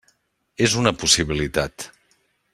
És una possibilitat.